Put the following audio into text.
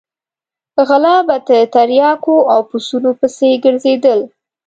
غله به د تریاکو او پسونو پسې ګرځېدل.